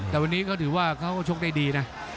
แต่วันนี้เขาถือว่าเขาก็ชกได้ดีนะ